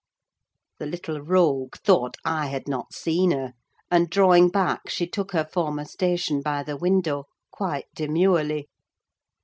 The little rogue thought I had not seen her, and, drawing back, she took her former station by the window, quite demurely.